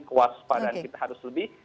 kewas pada kita harus lebih